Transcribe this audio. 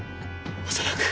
恐らく。